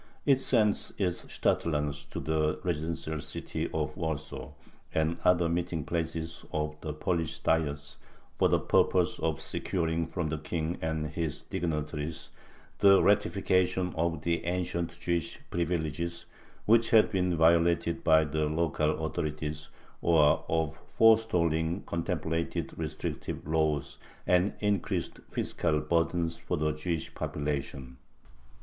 It sent its shtadlans to the residential city of Warsaw and other meeting places of the Polish Diets for the purpose of securing from the king and his dignitaries the ratification of the ancient Jewish privileges, which had been violated by the local authorities, or of forestalling contemplated restrictive laws and increased fiscal burdens for the Jewish population.